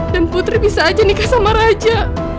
dan putri bisa aja nikah sama raja